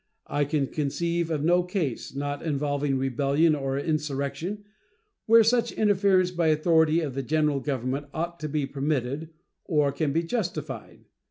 I can conceive of no case, not involving rebellion or insurrection, where such interference by authority of the General Government ought to be permitted or can be justified.